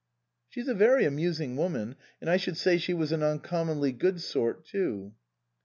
" She's a very amusing woman, and I should say she was an uncommonly good sort too."